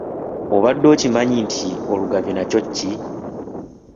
Obadde okimanyi nti olugave nakyo ki?